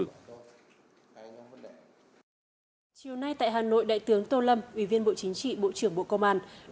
chiều nay tại hà nội đại tướng tô lâm ủy viên bộ chính trị bộ trưởng bộ công an